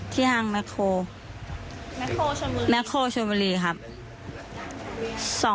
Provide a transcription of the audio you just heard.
ที่ห้างแม่โคแทรโมนประกฏ